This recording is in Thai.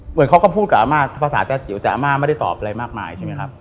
เหมือนเขาก็พูดกับอามาภาษาแจ้าจิ๋วแต่อามาไม่ได้ตอบอะไรมากมาย